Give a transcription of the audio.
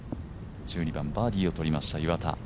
１２番、バーディーをとりました岩田。